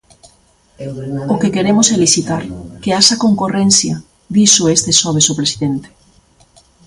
O que queremos é licitar, que haxa concorrencia, dixo este xoves o presidente.